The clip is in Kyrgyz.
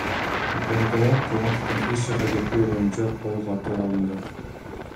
УКМКда Кулматовдон эч жакка кетпөө боюнча кол каты алынды.